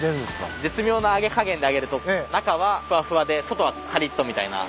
絶妙な揚げ加減で揚げると中はふわふわで外はかりっとみたいな。